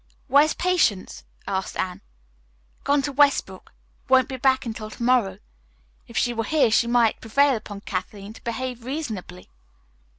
"Where's Patience?" asked Anne. "Gone to Westbrook. Won't be back until to morrow. If she were here she might prevail upon Kathleen to behave reasonably."